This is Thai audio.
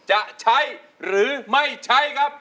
จะใช้หรือไม่ใช้ครับ